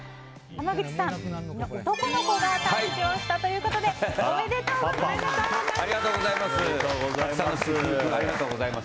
男の子が誕生したということでおめでとうございます。